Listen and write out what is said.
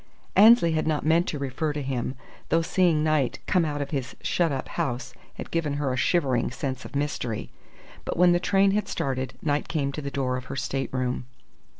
Annesley had not meant to refer to him, though seeing Knight come out of his shut up house had given her a shivering sense of mystery; but when the train had started, Knight came to the door of her stateroom.